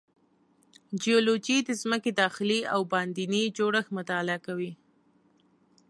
جیولوجی د ځمکې داخلي او باندینی جوړښت مطالعه کوي.